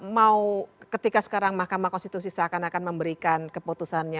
mau ketika sekarang mahkamah konstitusi seakan akan memberikan keputusannya